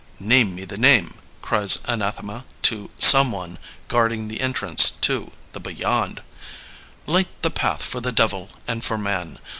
''Name me the name!" cries Anathema to Some one guarding the entrance to the Beyond. Light the path for the Devil and for Man.